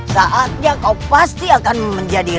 saatnya kau pasti akan menjadi